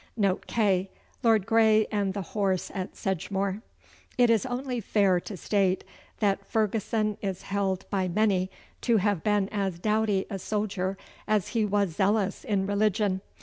Note K. Lord Grey and the Horse at Sedgemoor. It is only fair to state that Ferguson is held by many to have been as doughty a soldier as he was zealous in religion.